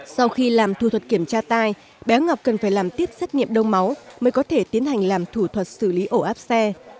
sau khi làm thu thuật kiểm tra tai bé ngọc cần phải làm tiếp xét nghiệm đông máu mới có thể tiến hành làm thủ thuật xử lý ổ áp xe